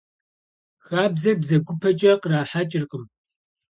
Хабзэр бзэгупэкӀэ кърахьэкӀыркъым.